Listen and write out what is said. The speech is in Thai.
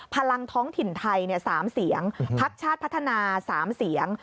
พลังท้องถิ่นไทย๓เสียงพักชาติพัฒนา๓เสียง